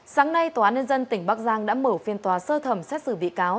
sáng nay tòa án nhân dân tỉnh bắc giang đã mở phiên tòa sơ thẩm xét xử bị cáo